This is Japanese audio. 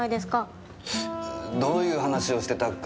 どういう話をしてたかは。